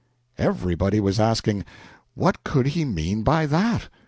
Everybody was asking, "What could he mean by that?"